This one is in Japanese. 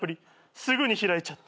すぐに開いちゃった。